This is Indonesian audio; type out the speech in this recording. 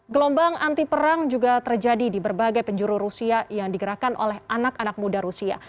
gelombang anti perang juga terjadi di berbagai penjuru rusia yang digerakkan oleh anak anak muda rusia